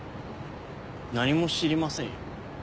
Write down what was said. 何も知りませんよ。